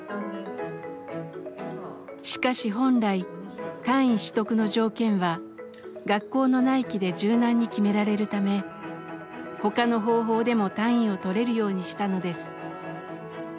しかし本来単位取得の条件は学校の内規で柔軟に決められるため他の方法でも単位を取れるようにしたのです。